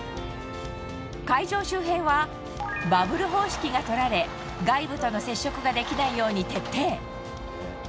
会場周辺はバブル方式がとられ外部との接触ができないように徹底。